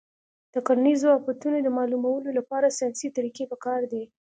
د کرنیزو آفتونو د معلومولو لپاره ساینسي طریقې پکار دي.